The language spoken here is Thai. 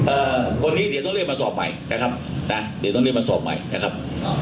เอ่อคนนี้เดี๋ยวต้องเรียกมาสอบใหม่นะครับนะเดี๋ยวต้องเรียกมาสอบใหม่นะครับ